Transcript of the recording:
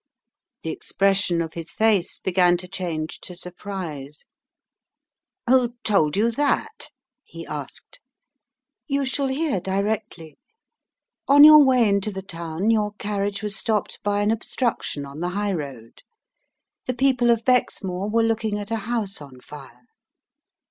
The expression of his face began to change to surprise. "Who told you that?" he asked. "You shall hear directly. On your way into the town your carriage was stopped by an obstruction on the highroad. The people of Bexmore were looking at a house on fire."